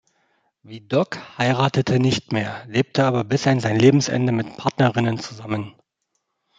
Vidocq heiratete nicht mehr, lebte aber bis an sein Lebensende mit Partnerinnen zusammen.